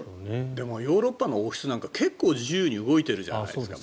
でもヨーロッパの王室なんかは結構、自由に動いているじゃないですか。